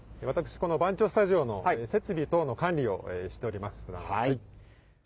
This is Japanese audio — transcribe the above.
私この番町スタジオの設備等の管理をしております。